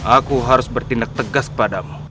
aku harus bertindak tegas padamu